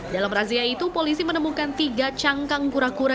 dalam razia itu polisi menemukan tiga cangkang kura kura